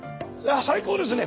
最高ですねこれ。